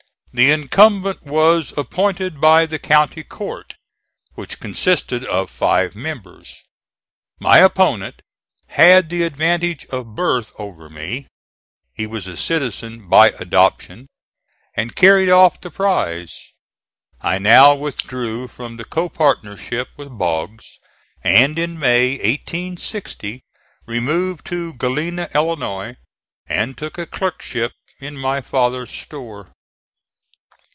The incumbent was appointed by the county court, which consisted of five members. My opponent had the advantage of birth over me (he was a citizen by adoption) and carried off the prize. I now withdrew from the co partnership with Boggs, and, in May, 1860, removed to Galena, Illinois, and took a clerkship in my father's store.